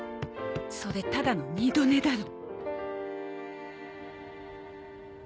それただの二度寝だろ。